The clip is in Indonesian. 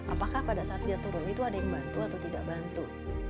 apakah pada saat dia turun itu ada yang bantu atau tidak bantu